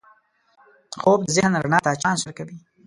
خوب د ذهن رڼا ته چانس ورکوي